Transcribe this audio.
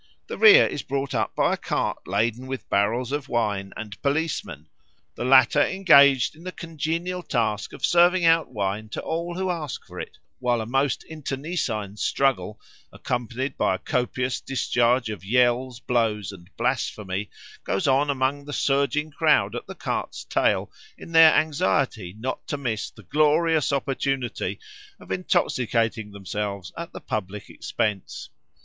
The rear is brought up by a cart laden with barrels of wine and policemen, the latter engaged in the congenial task of serving out wine to all who ask for it, while a most internecine struggle, accompanied by a copious discharge of yells, blows, and blasphemy, goes on among the surging crowd at the cart's tail in their anxiety not to miss the glorious opportunity of intoxicating themselves at the public expense.